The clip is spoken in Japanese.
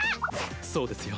そうですよ。